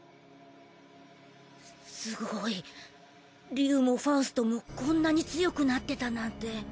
竜もファウストもこんなに強くなってたなんて。